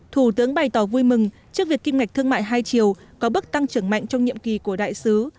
thủ tướng bày tỏ vui mừng trước việc kim ngạch thương mại hai chiều có bước tăng trưởng mạnh trong nhiệm kỳ của đại sứ